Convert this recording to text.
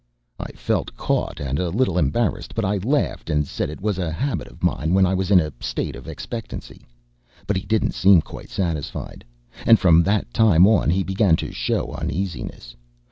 I felt caught, and a little embarrassed; but I laughed, and said it was a habit of mine when I was in a state of expenctancy. But he didn't seem quite satisfied; and from that time on he began to show uneasiness.